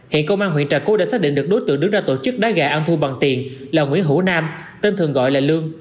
hiện công an huyện trà cú đã xác định được đối tượng đứng ra tổ chức đá gà ăn thu bằng tiền là nguyễn hữu nam tên thường gọi là lương